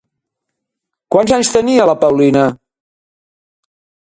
Quants anys tenia la Paulina?